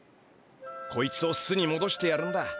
こいつを巣にもどしてやるんだ。